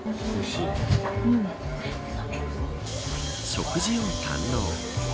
食事を堪能。